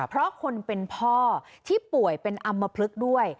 เพราะคนเป็นพ่อที่ป่วยเป็นอำมพลึกด้วย